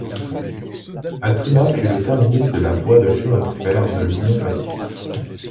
Altoona fut le terminus de la voie de chemin de fer de l'Union Pacific.